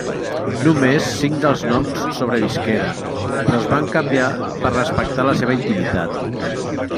Només cinc dels noms sobrevisqueren, però es van canviar per respectar la seva intimitat.